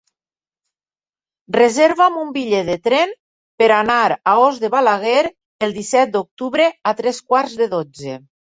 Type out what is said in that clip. Reserva'm un bitllet de tren per anar a Os de Balaguer el disset d'octubre a tres quarts de dotze.